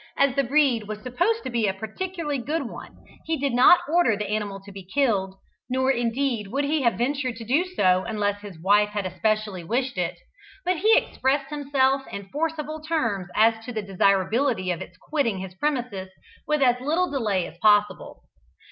As the breed was supposed to be a particularly good one, he did not order the animal to be killed, nor indeed would he have ventured to do so unless his wife had especially wished it, but he expressed himself in forcible terms as to the desirability of its quitting his premises with as little delay as possible.